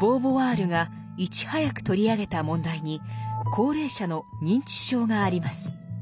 ボーヴォワールがいち早く取り上げた問題に高齢者の認知症があります。